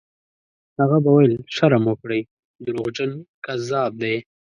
هغه به ویل: «شرم وکړئ! دروغجن، کذاب دی».